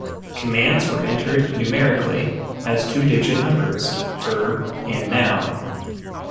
Commands were entered numerically, as two-digit numbers: Verb, and Noun.